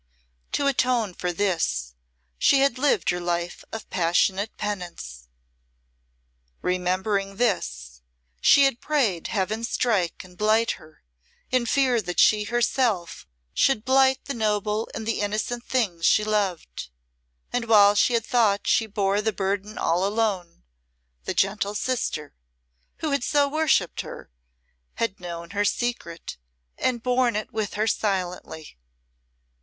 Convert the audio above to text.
To atone for this she had lived her life of passionate penance. Remembering this, she had prayed Heaven strike and blight her, in fear that she herself should blight the noble and the innocent things she loved. And while she had thought she bore the burden all alone, the gentle sister, who had so worshipped her, had known her secret and borne it with her silently.